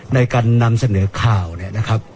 ในการนำเสนอข่าวเนี่ยนะครับ